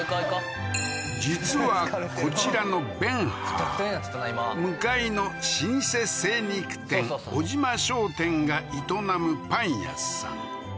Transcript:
実はこちらのＢＥＮ−ＨＵＲ向かいの老舗精肉店尾島商店が営むパン屋さん